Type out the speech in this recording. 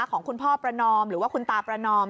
ของคุณพ่อประนอมหรือว่าคุณตาประนอม